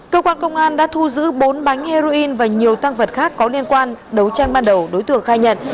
cơ quan công an đã thu giữ bốn bánh heroin và nhiều tăng vật khác có liên quan đấu tranh ban đầu đối tượng khai nhận